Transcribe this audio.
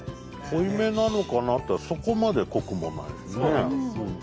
濃いめなのかなっつったらそこまで濃くもないんですね。